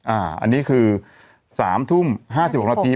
อันนี้คือ๓ทุ่ม๕๖นาที